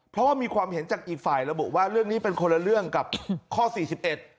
เพราะว่ามีความเห็นจากอีกฝ่ายระบุว่าเรื่องนี้เป็นคนละเรื่องกับข้อสี่สิบเอ็ด